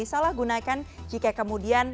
disalahgunakan jika kemudian